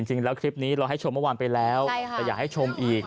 จริงแล้วคลิปนี้เราให้ชมเมื่อวานไปแล้วแต่อยากให้ชมอีก